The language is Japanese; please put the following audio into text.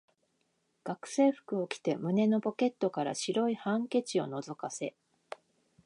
学生服を着て、胸のポケットから白いハンケチを覗かせ、